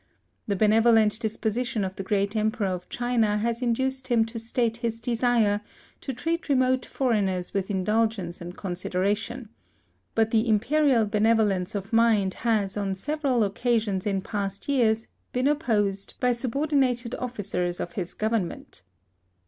The benevolent disposition of the great Emperor of China has induced him to state his desire, to treat remote foreigners with indulgence and consideration: but the Imperial benevolence of mind has, on several occasions, in past years, been opposed, by subordinatel officers of his government.